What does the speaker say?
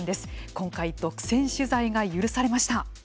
今回、独占取材が許されました。